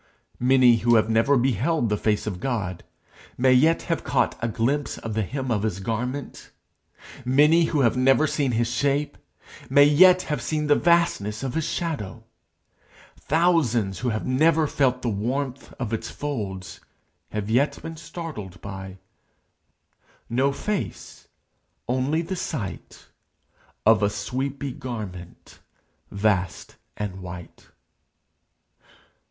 Many who have never beheld the face of God, may yet have caught a glimpse of the hem of his garment; many who have never seen his shape, may yet have seen the vastness of his shadow; thousands who have never felt the warmth of its folds, have yet been startled by No face: only the sight Of a sweepy garment vast and white.